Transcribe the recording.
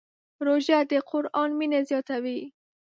روژه د قرآن مینه زیاتوي.